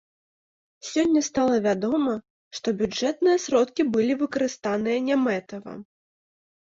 Сёння стала вядома, што бюджэтныя сродкі былі выкарыстаныя нямэтава.